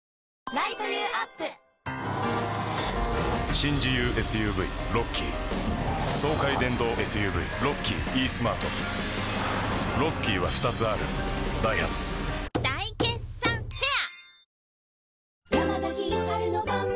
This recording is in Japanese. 新自由ＳＵＶロッキー爽快電動ＳＵＶロッキーイースマートロッキーは２つあるダイハツ大決算フェア